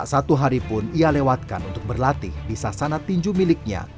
ingin menceritakan pembayaran agar anda bisa melatih uang itu pun harus sek fidelity